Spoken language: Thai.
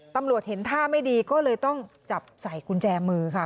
ตำรวจเห็นท่าไม่ดีก็เลยต้องจับใส่กุญแจมือค่ะ